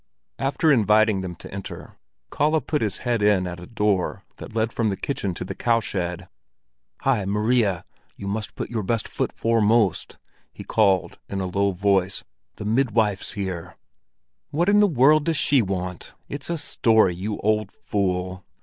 After inviting them to enter, Kalle put his head in at a door that led from the kitchen to the cowshed. "Hi, Maria! You must put your best foot foremost!" he called in a low voice. "The midwife's here!" "What in the world does she want? It's a story, you old fool!"